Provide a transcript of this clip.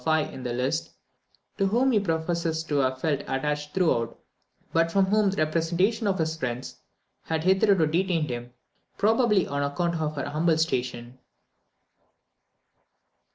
5 in the list, to whom he professes to have felt attached throughout, but from whom the representations of his friends had hitherto detained him, probably on account of her humble station.